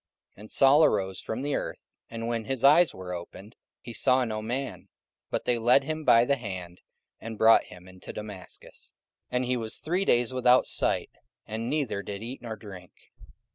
44:009:008 And Saul arose from the earth; and when his eyes were opened, he saw no man: but they led him by the hand, and brought him into Damascus. 44:009:009 And he was three days without sight, and neither did eat nor drink.